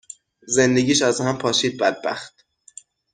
زندگیش از هم پاشید بدبخت.